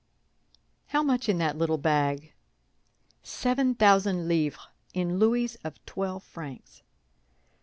"How much in that little bag?" "Seven thousand livres, in louis of twelve francs."